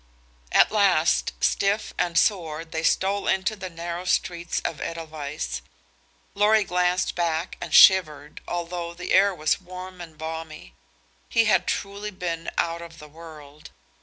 At last, stiff and sore, they stole into the narrow streets of Edelweiss. Lorry glanced back and shivered, although the air was warm and balmy. He had truly been out of the world.